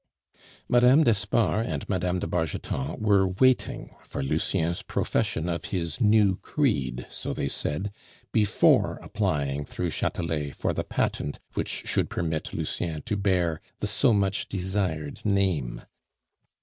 Mme. d'Espard and Mme. de Bargeton were waiting for Lucien's profession of his new creed, so they said, before applying through Chatelet for the patent which should permit Lucien to bear the so much desired name.